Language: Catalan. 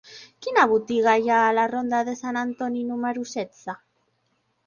Quina botiga hi ha a la ronda de Sant Antoni número setze?